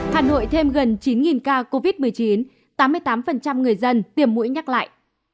hà nội thêm gần chín ca covid một mươi chín tám mươi tám người dân tiềm mũi nhắc lại